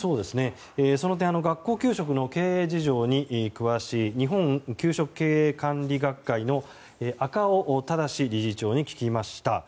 その点学校給食の経営事情に詳しい日本給食経営管理学会の赤尾正理事長に聞きました。